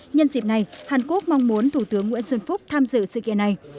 nhân dịp này hàn quốc mong muốn thủ tướng nguyễn xuân phúc tham dự sự kiện này